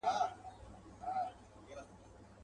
وايي منصور یم خو له دار سره مي نه لګیږي..